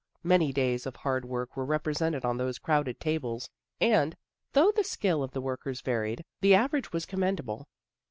Many days of hard work were represented on those crowded tables, and, though the skill of the workers varied, the average was commendable.